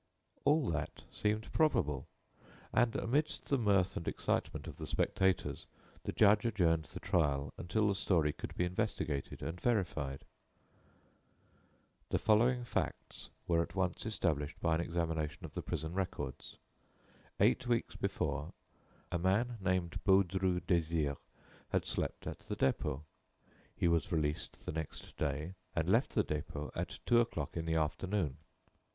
All that seemed probable; and, amidst the mirth and excitement of the spectators, the judge adjourned the trial until the story could be investigated and verified. The following facts were at once established by an examination of the prison records: Eight weeks before a man named Baudru Désiré had slept at the Dépôt. He was released the next day, and left the Dépôt at two o'clock in the afternoon.